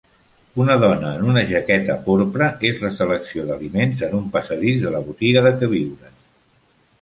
Una dona en una jaqueta porpra és la selecció d'aliments en un passadís de la botiga de queviures.